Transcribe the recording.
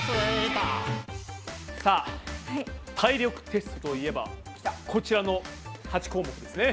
さあ体力テストといえばこちらの８項目ですね。